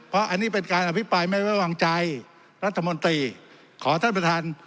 เพราะอันนี้เป็นการอภิปรายไม่ไว้วางใจรัฐมนตรีขอท่านประธาน